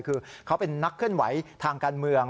คือเขาเป็นนักเคลื่อนไหวทางการเมือง